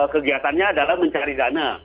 kegiatannya adalah mencari dana